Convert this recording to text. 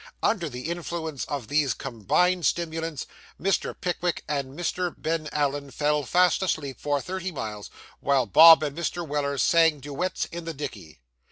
Under the influence of these combined stimulants, Mr. Pickwick and Mr. Ben Allen fell fast asleep for thirty miles, while Bob and Mr. Weller sang duets in the dickey.